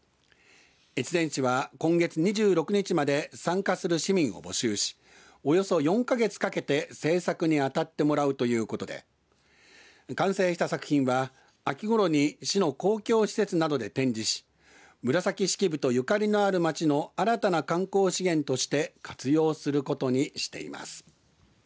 越前市は今月２６日まで参加する市民を募集しおよそ４か月かけて制作に当たってもらうということで完成した作品は秋ごろに市の公共施設などで展示し紫式部とゆかりのある街の新たな観光資源として活用することにしています。